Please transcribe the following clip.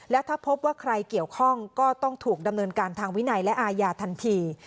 และถ้าพบว่าใครเกี่ยวข้องก็ต้องถูกดำเนินการทางวินัยและอาญาทันที